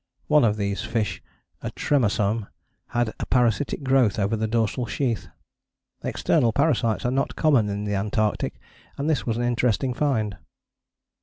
One of these fish, a Tremasome, had a parasitic growth over the dorsal sheath. External parasites are not common in the Antarctic, and this was an interesting find.